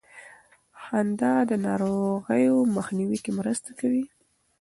خندا د ناروغیو مخنیوي کې مرسته کوي.